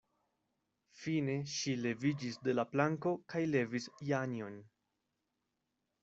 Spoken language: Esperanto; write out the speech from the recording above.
Fine ŝi leviĝis de la planko kaj levis Janjon.